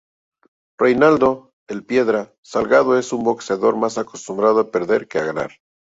Reynaldo "El Piedra" Salgado es un boxeador más acostumbrado a perder que a ganar.